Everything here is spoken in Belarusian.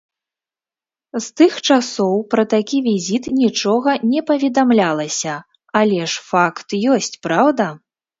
З тых часоў пра такі візіт нічога не паведамлялася, але ж факт ёсць, праўда?